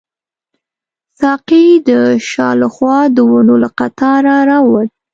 ساقي د شا له خوا د ونو له قطاره راووت.